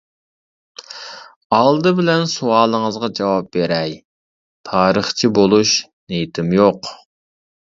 ئالدى بىلەن سوئالىڭىزغا جاۋاب بېرەي، تارىخچى بولۇش نىيىتىم يوق.